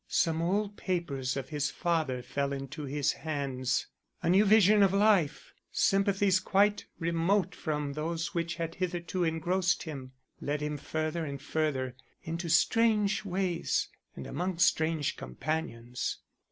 Some old papers of his father fell into his hands. A new vision of life, sympathies quite remote from those which had hitherto engrossed him, led him further and further into strange ways and among strange companions.